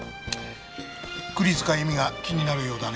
栗塚エミが気になるようだね。